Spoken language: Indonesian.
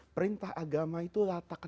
perintah agama itu